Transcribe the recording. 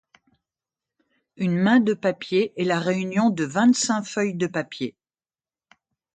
Une main de papier est la réunion de vingt-cinq feuilles de papier.